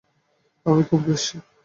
আমি খুব খুশি।